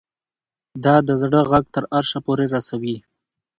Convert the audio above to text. دا د زړه غږ تر عرشه پورې رسوي